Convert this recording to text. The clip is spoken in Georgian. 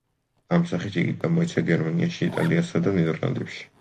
ამ სახით იგი გამოიცა გერმანიაში, იტალიაში და ნიდერლანდებში.